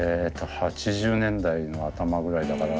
８０年代の頭ぐらいだから。